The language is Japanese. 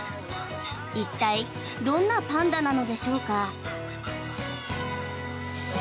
一体どんなパンダなのでしょうか。